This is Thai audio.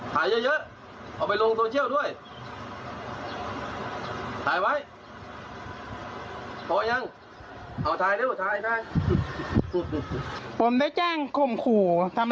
ผมก็ถ่ายปกตินี้หรอคะเอา๐๑เลียงนิตมันผมจะคุยนิตมัน